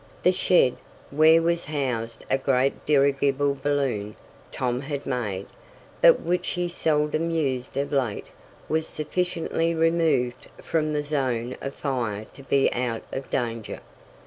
The shed, where was housed a great dirigible balloon Tom had made, but which he seldom used of late, was sufficiently removed from the zone of fire to be out of danger.